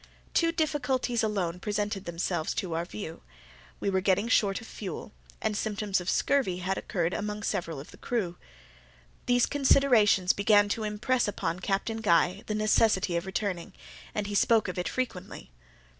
Two difficulties alone presented themselves to our view; we were getting short of fuel, and symptoms of scurvy had occurred among several of the crew. These considerations began to impress upon Captain Guy the necessity of returning, and he spoke of it frequently.